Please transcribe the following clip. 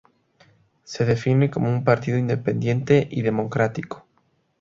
Se define como un partido independiente y democrático.